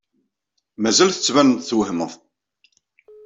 Mazal tettbaneḍ-d twehmeḍ.